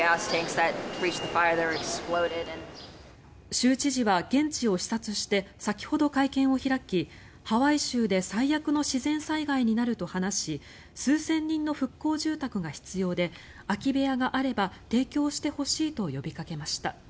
州知事は現地を視察して先ほど会見を開きハワイ州で最悪の自然災害になると話し数千人の復興住宅が必要で空き部屋があれば提供してほしいと呼びかけました。